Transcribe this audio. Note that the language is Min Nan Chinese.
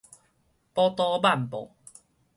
寶島曼波